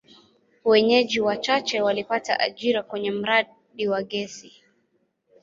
Wenyeji wachache walipata ajira kwenye mradi wa gesi.